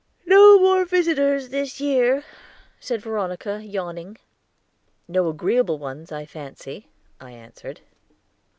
"No more visitors this year," said Veronica, yawning. "No agreeable ones, I fancy," I answered.